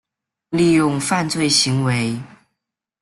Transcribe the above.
利用犯罪行为